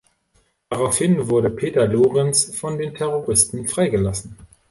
Daraufhin wurde Peter Lorenz von den Terroristen freigelassen.